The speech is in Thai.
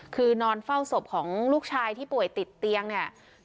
คือนอนเฝ้าศพของลูกชายที่ป่วยติดเตียงเนี่ย